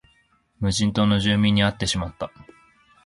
無人島の住民に会ってしまった